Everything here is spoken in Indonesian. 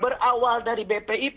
berawal dari bpip